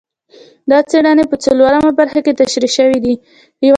دا څېړنې په څلورمه برخه کې تشرېح شوي دي.